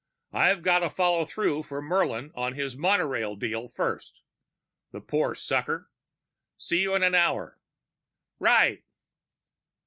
"I've gotta follow through for Murlin on his monorail deal first. The poor sucker! See you in an hour." "Right."